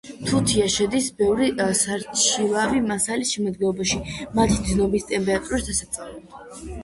თუთია შედის ბევრი სარჩილავი მასალის შემადგენლობაში მათი დნობის ტემპერატურის დასაწევად.